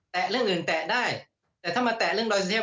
เรื่องอื่นแตะได้แต่ถ้ามาแตะเรื่องรอยเสีย